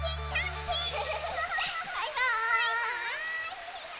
バイバーイ！